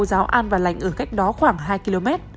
giáo an và lành ở cách đó khoảng hai km